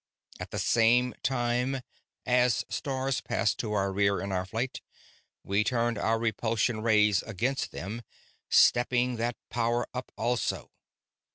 At the same time, as stars passed to our rear in our flight, we turned our repulsion rays against them, stepping that power up also.